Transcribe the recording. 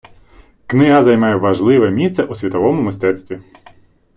Книга займає важливе місце світовому мистецтві.